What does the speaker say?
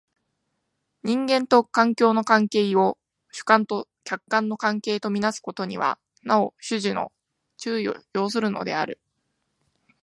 人間と環境の関係を主観と客観の関係と看做すことにはなお種々の注意を要するのである。